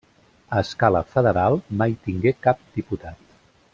A escala federal, mai tingué cap diputat.